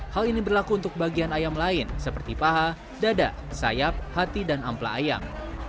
hal ini berlaku untuk bagian ayam lain seperti paha dada sayap hati dan ampla ayam